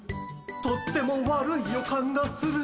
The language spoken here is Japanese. とっても悪い予感がする。